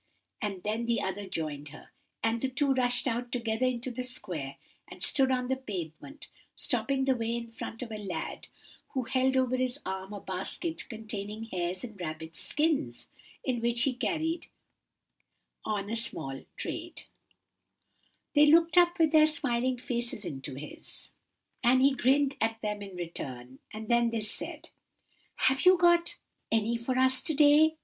and then the other joined her, and the two rushed out together into the Square and stood on the pavement, stopping the way in front of a lad, who held over his arm a basket containing hares' and rabbits' skins, in which he carried on a small trade. [Picture: Here he is] "They looked up with their smiling faces into his, and he grinned at them in return, and then they said, 'Have you got any for us to day?